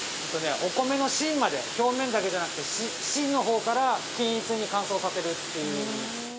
◆お米の芯まで表面だけじゃなくて芯のほうから均一に乾燥させるっていう。